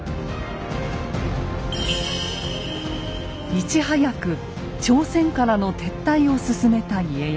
いち早く朝鮮からの撤退を進めた家康。